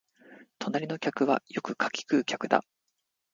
隣の客は柿食う客だ